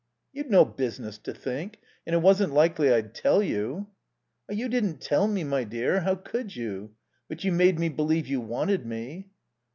"You'd no business to think. And it wasn't likely I'd tell you." "Oh, you didn't tell me, my dear. How could you? But you made me believe you wanted me."